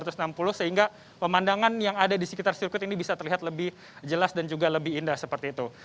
sehingga pemandangan yang ada di sekitar sirkuit ini bisa terlihat lebih jelas dan juga lebih indah seperti itu